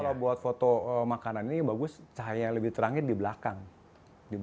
kalau buat foto makanan ini bagus cahaya lebih terangin di belakang